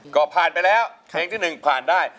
ก็ผ่านไปแล้วเพลงที่๑ผ่านได้